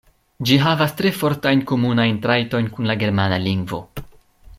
Ĝi havas tre fortajn komunajn trajtojn kun la germana lingvo.